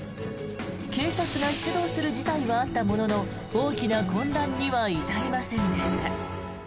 警察が出動する事態はあったものの大きな混乱には至りませんでした。